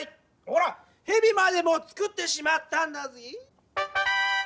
ほら「ヘビ」までもつくってしまったんだぜぇ。